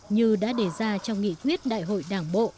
như đã đề ra trong nghị quyết đại hội đảng bộ